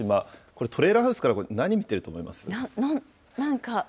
これ、トレーラーハウスから何見てると思います？